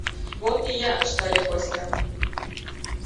— Вот ия! — ыштале Костя.